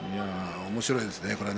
おもしろいですねこれは。